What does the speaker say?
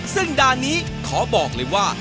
ซึ่งด่านนี้ขอบอกเลยว่า